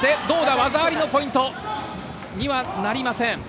技ありのポイントはなりません。